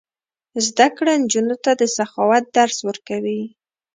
زده کړه نجونو ته د سخاوت درس ورکوي.